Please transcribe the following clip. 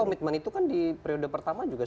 komitmen itu kan di periode pertama juga